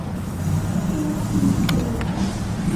Tienes Ki y salud.